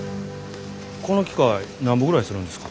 この機械なんぼぐらいするんですか？